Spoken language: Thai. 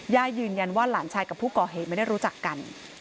ย่ายืนยันว่าหลานชายกับผู้ก่อเหตุไม่ได้รู้จักกัน